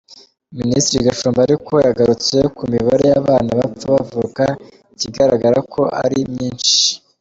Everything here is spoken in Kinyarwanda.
Minisitiri Gashumba ariko yagarutse ku mibare y’abana bapfa bavuka ikigaragara ko ari myinshi.